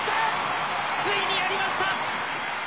ついにやりました！